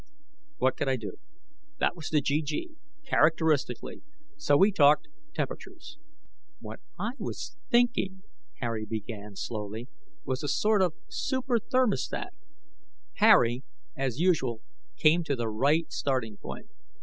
What could I do? That was the GG, characteristically, so we talked temperatures. "What I was thinking," Harry began slowly, "was a sort of superthermostat." Harry, as usual, came to the right starting point.